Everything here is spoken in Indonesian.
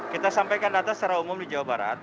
kita sampaikan data secara umum di jawa barat